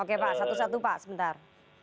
oke pak satu satu pak sebentar